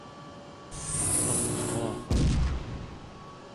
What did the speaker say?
pequara